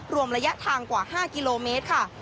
รวมระยะทางกว่า๕กิโลเมตรค่ะ